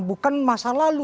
bukan masa lalu